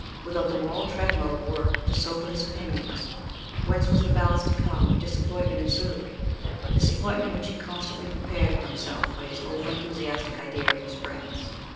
Without the moral treadmill of work to sober his opinions, whence was the ballast to comejwhen disappointment ensued disappointment which he constantly prepared for him self by his over enthusiastic idea of his friends?